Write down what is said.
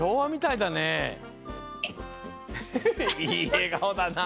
いいえがおだな。